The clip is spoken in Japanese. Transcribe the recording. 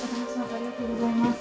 ありがとうございます。